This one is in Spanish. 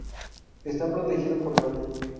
Está protegido por la ley.